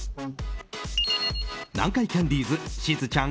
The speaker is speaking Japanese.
南海キャンディーズしずちゃん